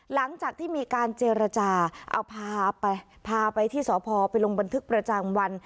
หลังจากที่มีการเจรจาเอาพาไปพาไปที่สพไปลงบันทึกประจำวัน